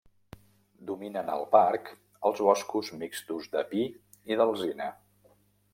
Dominen al parc els boscos mixtos de pi i d'alzina.